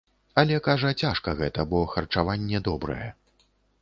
Але, кажа, цяжка гэта, бо харчаванне добрае.